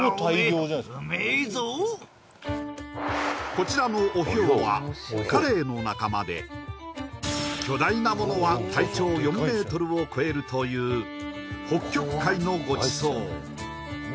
こちらのオヒョウはカレイの仲間で巨大なものは体長４ｍを超えるという北極海のごちそう